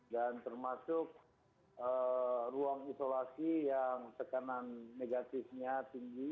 dan termasuk ruang isolasi yang tekanan negatifnya tinggi